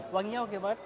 wanginya oke banget